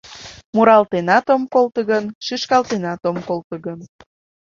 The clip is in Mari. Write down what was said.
Муралтенат ом колто гын, шӱшкалтенат ом колто гын